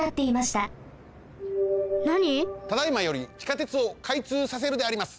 ただいまより地下鉄をかいつうさせるであります！